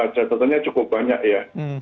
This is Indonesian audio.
catatannya cukup banyak ya